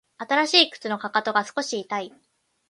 新しい靴のかかとが少し痛い